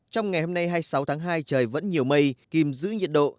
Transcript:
trong ngày hôm nay hai mươi sáu tháng hai trời vẫn nhiều mây kìm giữ nhiệt độ